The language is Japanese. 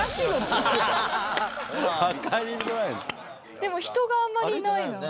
でも人があんまりいないな。